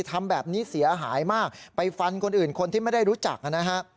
ทำแบบนี้เสียหายมากไปฟันคนอื่นคนที่ไม่ได้รู้จักนะฮะ